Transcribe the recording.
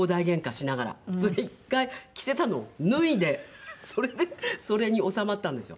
それ一回着せたのを脱いでそれでそれに収まったんですよ。